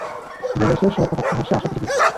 বলিয়া সে সকটাক্ষহাস্যে আশাকে টিপিল।